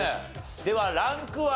ではランクは？